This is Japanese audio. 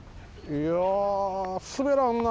いやすべらんな。